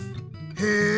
へえ！